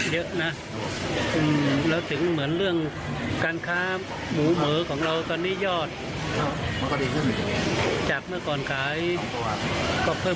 อย่างนี้นะครับ